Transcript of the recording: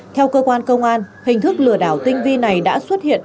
theo cơ quan công an hình thức lừa đảo tinh vi này đã xuất hiện